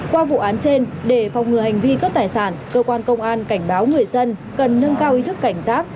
qua vụ án trên để phòng ngừa hành vi cướp tài sản cơ quan công an cảnh báo người dân cần nâng cao ý thức cảnh giác